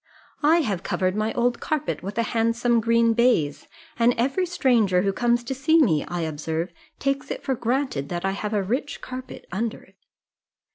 "I have covered my old carpet with a handsome green baize, and every stranger who comes to see me, I observe, takes it for granted that I have a rich carpet under it.